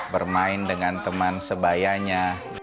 bermain dengan teman sebayanya